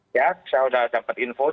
saya sudah dapat info